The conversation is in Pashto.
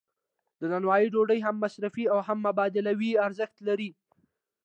د نانوایی ډوډۍ هم مصرفي او هم مبادلوي ارزښت لري.